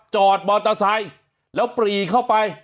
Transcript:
จอดบอลตาไซน์แล้วปรีเข้าไป